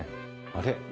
あれ？